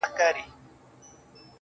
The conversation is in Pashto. د مخ پر لمر باندي رومال د زلفو مه راوله~